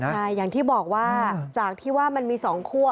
ใช่อย่างที่บอกว่าจากที่ว่ามันมี๒คั่ว